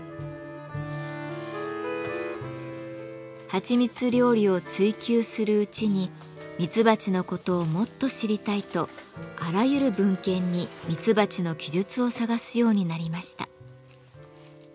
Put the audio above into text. はちみつ料理を追求するうちにミツバチのことをもっと知りたいとあらゆる文献にミツバチの記述を探すようになりました。